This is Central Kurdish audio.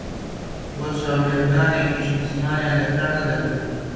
بۆ چاو لێکنانێکیش زمانیان لە کار نەدەکەوت